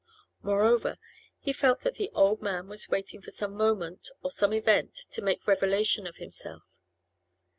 Moreover, he felt that the old man was waiting for some moment, or some event, to make revelation of himself.